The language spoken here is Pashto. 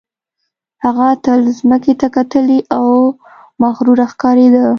هغه تل ځمکې ته کتلې او مغروره ښکارېده